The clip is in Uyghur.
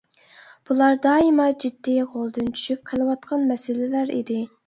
بۇلار دائىما جىددىي، غولدىن چۈشۈپ قېلىۋاتقان مەسىلىلەر ئىدى.